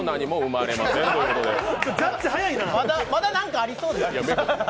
まだなんかありそうですね。